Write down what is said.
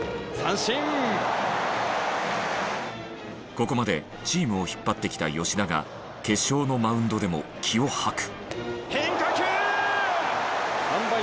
ここまでチームを引っ張ってきた吉田が決勝のマウンドでも気を吐く。